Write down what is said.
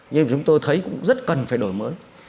nhưng chúng tôi thấy cũng rất cần phải đổi mới